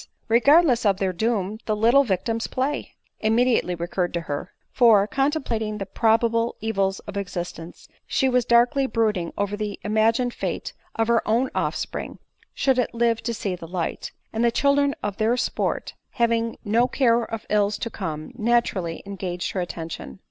regardless of their doom, The little victims play !" immediately recurred to her; for, contemplating the probable evils of existence, she was darkly brooding over the imagined fate of her own offspring, should it live to ADELINE MOWBRAY. 16fe see the light; and the children at their sport, having no care df ills to come, naturally engaged her attention.